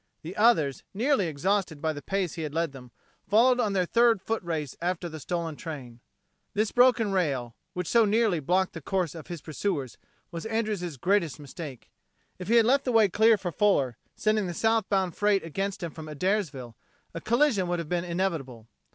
The others, nearly exhausted by the pace he had led them, followed on their third foot race after the stolen train. This broken rail, which so nearly blocked the course of his pursuers, was Andrews' greatest mistake. If he had left the way clear for Fuller, sending the southbound freight against him from Adairsville, a collision would have been inevitable.